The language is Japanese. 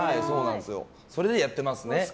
それでやっていますね。